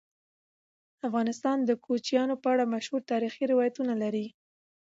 افغانستان د کوچیانو په اړه مشهور تاریخی روایتونه لري.